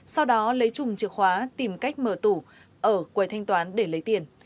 sau đó lấy chùm chìa khóa tìm cách mở tủ ở quầy thanh toán để lấy tiền